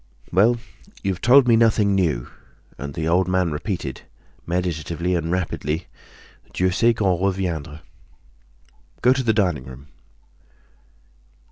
"Well, you've told me nothing new," and the old man repeated, meditatively and rapidly: "Dieu sait quand reviendra. Go to the dining room."